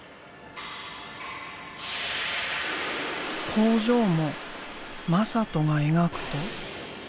工場も真人が描くと。